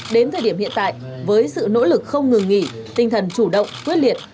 đến thời điểm hiện tại với sự nỗ lực không ngừng nghỉ tinh thần chủ động quyết liệt